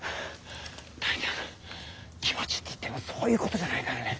大体気持ちっていってもそういうことじゃないからね。